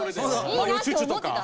マヨチュッチュとか。